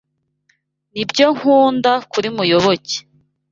Nibyo nkunda kuri Muyoboke.